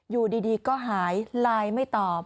อยู่ดีก็หายไลน์ไม่ตอบ